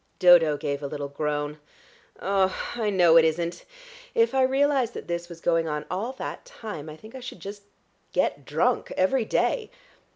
Dodo gave a little groan. "I know it isn't. If I realised that this was going on all that time, I think I should just get drunk every day.